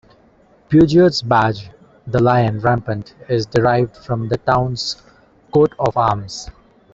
Peugeot's badge, the lion rampant, is derived from the town's coat-of-arms.